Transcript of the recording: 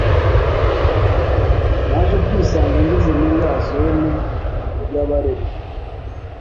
naje kwisanga ngeze muri ya zone y’Abarega